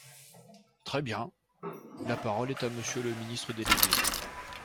Très bien ! La parole est à Monsieur le ministre délégué.